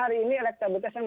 saya sudah mencari pertanyaan